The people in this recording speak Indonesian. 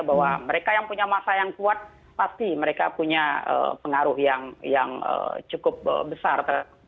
bahwa mereka yang punya masa yang kuat pasti mereka punya pengaruh yang cukup besar